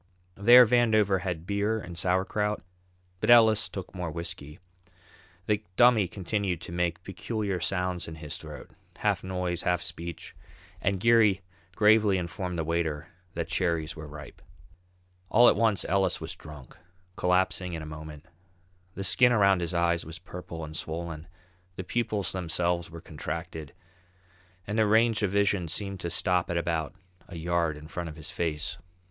There Vandover had beer and sauerkraut, but Ellis took more whisky. The Dummy continued to make peculiar sounds in his throat, half noise, half speech, and Geary gravely informed the waiter that cherries were ripe. All at once Ellis was drunk, collapsing in a moment. The skin around his eyes was purple and swollen, the pupils themselves were contracted, and their range of vision seemed to stop at about a yard in front of his face.